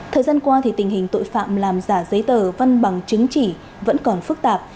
thời gian qua tình hình tội phạm làm giả giấy tờ văn bằng chứng chỉ vẫn còn phức tạp